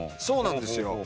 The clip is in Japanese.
そうなんですよ。